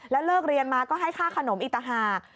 แล้วเลิกเรียนมาก็ให้ฆ่าขนมอิตหา